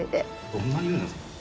どんなにおいなんですか？